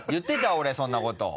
俺そんなこと。